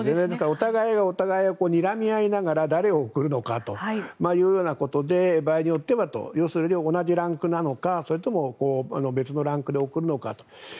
お互いがお互いをにらみ合いながら誰を送るのかということで場合によって同じランクなのかそれとも別のランクで送るのか。